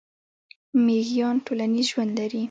میږیان ټولنیز ژوند لري